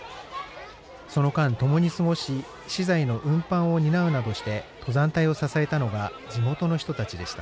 その間、共に過ごし資材の運搬を担うなどして登山隊を支えたのが地元の人たちでした。